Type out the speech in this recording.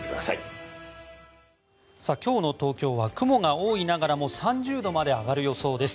今日の東京は雲が多いながらも３０度まで上がる予想です。